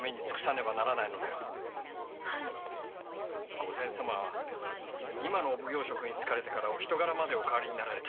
御前様は今の奉行職に就かれてからお人柄まで変わられた。